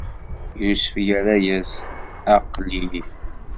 Yusef irra-yas: Aql-i!